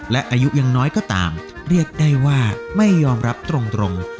และอายุยังน้อยก็ตามเรียกได้ว่าไม่ยอมรับตรง